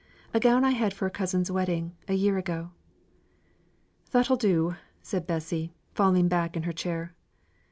"A gown I had for a cousin's wedding, a year ago." "That'll do!" said Bessy, falling back in her chair.